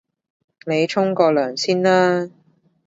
你沖個涼先啦